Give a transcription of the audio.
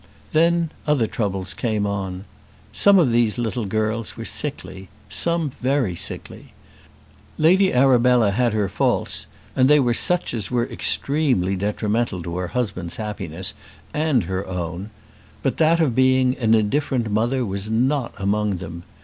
Then other troubles came on. Some of these little girls were sickly, some very sickly. Lady Arabella had her faults, and they were such as were extremely detrimental to her husband's happiness and her own; but that of being an indifferent mother was not among them.